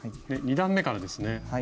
２段めからですね。